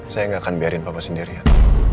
saya gak akan biarin papa sendirian